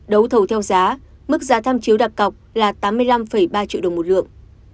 đấu thầu theo giá mức giá tham chiếu đặc cọc là tám mươi năm ba triệu đồng một lượng